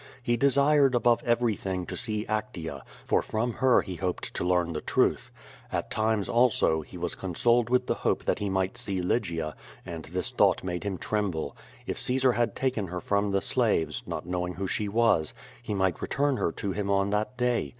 He desired, above every thing, to see Actea, for from her he hoped to learn the truth. At times, also, he was consoled with the hope that he might see Lygia, and this thought made him tremble. If Caesar had taken her from the slaves, not knowing who she was, he might return her to him on that day.